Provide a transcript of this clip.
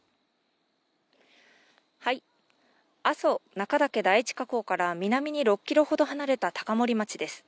阿蘇中岳第一火口から南に６ｋｍほど離れた高森町です。